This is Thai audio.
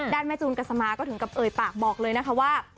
แม่จูนกัสมาก็ถึงกับเอ่ยปากบอกเลยนะคะว่า